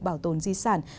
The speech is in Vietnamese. bảo tồn di sản